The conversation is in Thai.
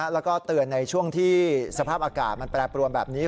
แล้วก็เตือนในช่วงที่สภาพอากาศมันแปรปรวนแบบนี้